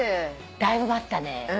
だいぶ待ったね。